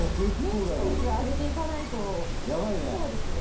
命中率上げていかないとヤバいねキツそうですね